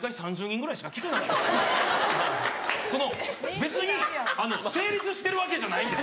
別にあの成立してるわけじゃないんです